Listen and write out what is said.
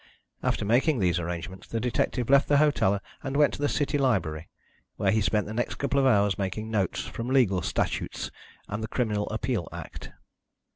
After making these arrangements the detective left the hotel and went to the city library, where he spent the next couple of hours making notes from legal statutes and the Criminal Appeal Act.